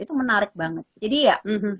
itu menarik banget jadi ya